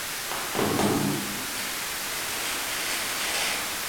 La familia tenía una lavandería.